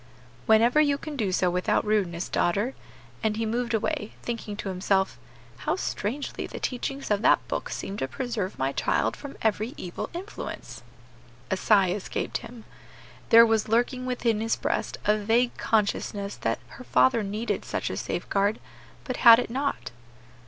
"Whenever you can do so without rudeness, daughter;" and he moved away, thinking to himself, "How strangely the teachings of that book seem to preserve my child from every evil influence." A sigh escaped him. There was lurking within his breast a vague consciousness that her father needed such a safeguard, but had it not.